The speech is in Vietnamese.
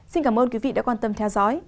xin cảm ơn quý vị đã quan tâm theo dõi